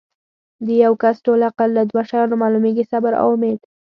د یو کس ټول عقل لۀ دوه شیانو معلومیږي صبر او اُمید